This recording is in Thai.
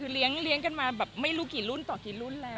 เลี้ยงมาไม่รู้กี่รุ่นต่อกี่รุ่นแล้ว